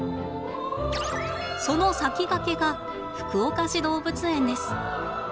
その先駆けが福岡市動物園です。